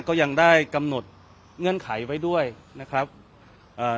ก็ยังได้กำหนดเงื่อนไขไว้ด้วยนะครับเอ่อ